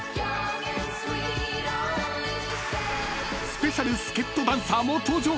［スペシャル助っ人ダンサーも登場］